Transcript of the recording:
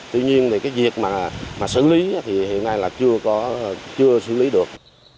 tuy nhiên thì cái việc mà xử lý thì hiện nay là chưa xử lý được